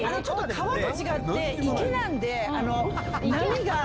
川と違って池なんで。